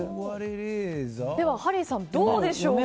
ハリーさん、どうでしょうか。